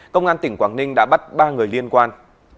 công an tỉnh quảng ninh đã bắt ba người liên quan